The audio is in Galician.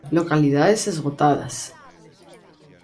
Localidades esgotadas.